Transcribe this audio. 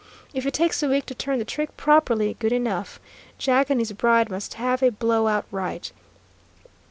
If it takes a week to turn the trick properly, good enough. Jack and his bride must have a blow out right.